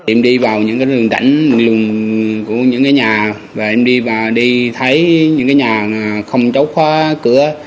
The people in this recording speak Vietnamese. em đi vào những đường đảnh của những nhà và em đi thấy những nhà không chống khóa cửa